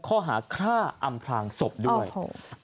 เข้าหาฆ่าอำพลางศพด้วยโอ้โฮ